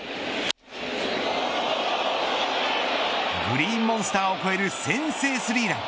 グリーンモンスターを越える先制スリーラン。